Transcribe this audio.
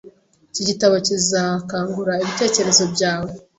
Iki gitabo kizakangura ibitekerezo byawe.